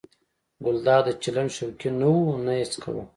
ګلداد د چلم شوقي نه و نه یې څکاوه.